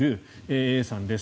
Ａさんです。